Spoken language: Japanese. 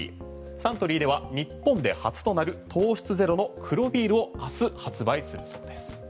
サントリーでは日本で初となる糖質ゼロの黒ビールを明日発売するそうです。